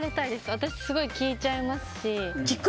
私、すごい聞いちゃいますし。